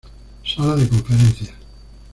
Sala de Conferencias.